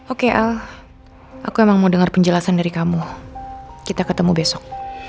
oke al aku emang mau dengar penjelasan dari kamu kita ketemu besok